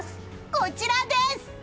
こちらです！